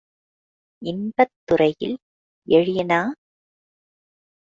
இன்பத் துறையில் எளியனா?